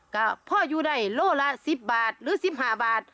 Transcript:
ก็พ่ออยู่ได้โลละ๑๐บาทหรือ๑๕บาท